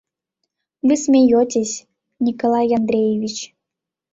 Вы смеётесь, Николай Андреевич.